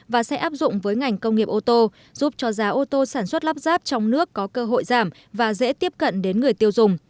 và sẽ áp dụng với ngành công nghiệp ô tô giúp cho giá ô tô sản xuất lắp ráp trong nước có cơ hội giảm và dễ tiếp cận đến người tiêu dùng